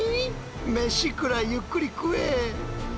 メシくらいゆっくり食え！